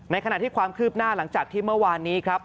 ขณะที่ความคืบหน้าหลังจากที่เมื่อวานนี้ครับ